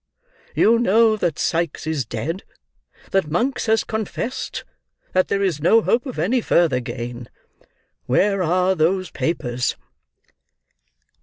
You know that Sikes is dead; that Monks has confessed; that there is no hope of any further gain. Where are those papers?"